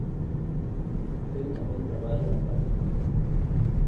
_Eu tamén traballo na fábrica.